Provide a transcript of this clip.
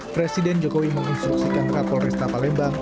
presiden jokowi menginstruksikan kepol resta palembang